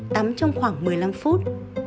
tắm trong khoảng một mươi năm phút